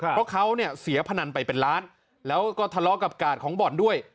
เพราะเขาเนี่ยเสียพนันไปเป็นล้านแล้วก็ทะเลาะกับกาดของบ่อนด้วย